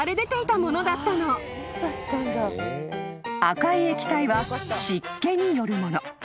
［赤い液体は湿気によるもの］